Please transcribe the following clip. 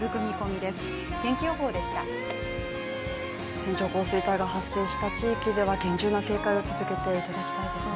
線状降水帯が発生した地域では厳重な警戒を続けていただきたいですね。